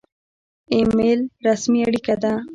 ایمیل رسمي اړیکه ده